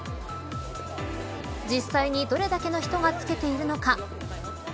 実際にどれだけの人が付けているのか。